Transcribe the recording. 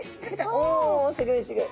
おおすギョいすギョい！